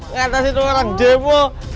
ngatasin orang demo